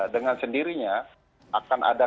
dengan sendirinya akan ada